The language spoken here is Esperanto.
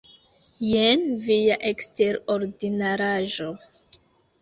Jen via eksterordinaraĵo.